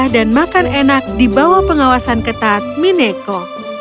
dan makan enak di bawah pengawasan ketat mineko